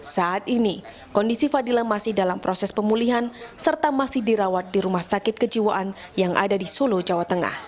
saat ini kondisi fadila masih dalam proses pemulihan serta masih dirawat di rumah sakit kejiwaan yang ada di solo jawa tengah